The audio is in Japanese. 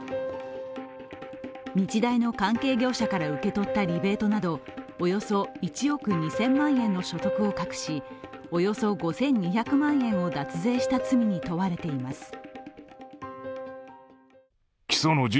日大の関係業者から受け取ったリベートなどおよそ１億２０００万円の所得を隠し、およそ５２００万円を脱税した罪に問われています。